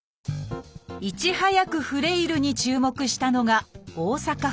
いち早くフレイルに注目したのが大阪府。